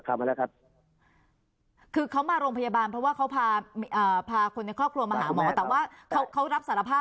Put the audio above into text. ครับผมในประเด็นนี้เราก็ออกมาสอบปากคำแล้วละครับ